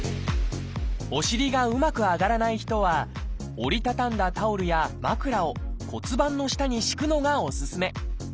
お尻がうまく上がらない人は折り畳んだタオルや枕を骨盤の下に敷くのがおすすめ。